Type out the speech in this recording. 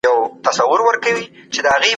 هغه په اصفهان کې د عدل او انصاف نظام رامنځته کړ.